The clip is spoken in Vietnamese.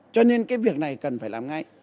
cho nên cái việc này cần phải làm ngay